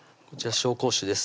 紹興酒です